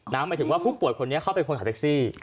หมายถึงว่าผู้ป่วยคนนี้เขาเป็นคนขับแท็กซี่